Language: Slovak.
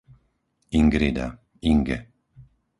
Ingrida, Inge